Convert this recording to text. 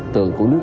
tượng của nước